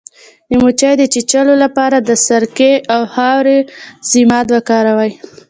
د مچۍ د چیچلو لپاره د سرکې او خاورې ضماد وکاروئ